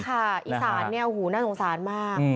ใช่ค่ะอีสานเนี่ยโหน่าสงสารมาก